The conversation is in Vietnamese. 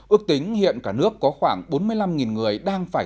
ước tính hiện cả nước có khoảng bốn mươi năm người